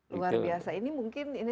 luar biasa ini mungkin